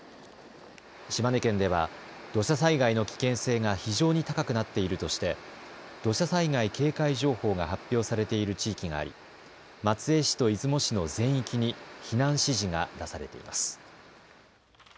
島根県では土砂災害の危険性が非常に高くなっているとして土砂災害警戒情報が発表されている地域があり松江市と出雲市の全域に避難指示が出されています。